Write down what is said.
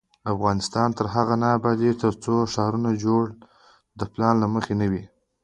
افغانستان تر هغو نه ابادیږي، ترڅو ښار جوړونه د پلان له مخې نه وي.